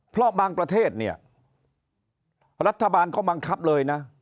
เพราะบางประเทศเนี่ยรัฐบาลก็บังคับเลยนะ